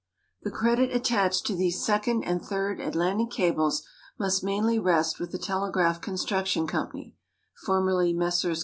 The credit attached to these second and third Atlantic cables must mainly rest with the Telegraph Construction Company (formerly Messrs.